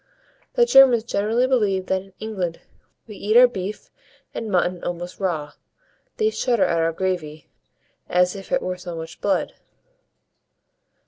The Germans generally believe that in England we eat our beef and mutton almost raw; they shudder at our gravy, as if it were so much blood.